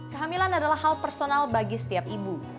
kehamilan adalah hal personal bagi setiap ibu